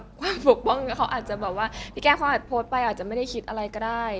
พี่แก้มเขาอาจจะโพสต์ไปอาจจะไม่ได้คิดอะไรก็ได้